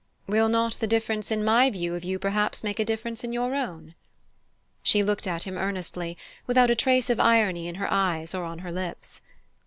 "Will not the difference in my view of you perhaps make a difference in your own?" She looked at him earnestly, without a trace of irony in her eyes or on her lips.